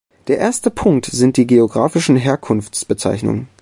Der erste Punkt sind die geographischen Herkunftsbezeichnungen.